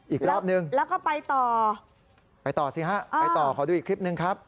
อีกรอบนึงแล้วก็ไปต่อไปต่อสิฮะไปต่อขอดูอีกคลิปหนึ่งครับ